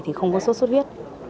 thì không có sốt huyết